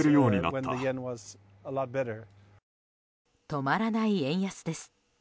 止まらない円安です。